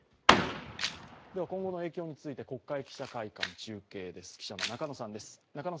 今後の影響について国会記者会館、中継です。